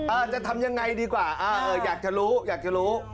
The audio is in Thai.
จะทำยังไงดีกว่าอยากจะรู้อยากจะรู้